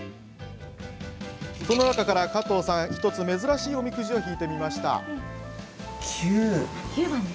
その中から、加藤さん１つ、珍しいおみくじを引いてみました。